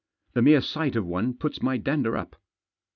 The mere sight of one puts my' dander up.